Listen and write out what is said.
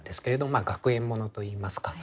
まあ学園物といいますか。